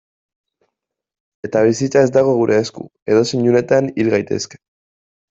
Eta bizitza ez dago gure esku, edozein unetan hil gaitezke.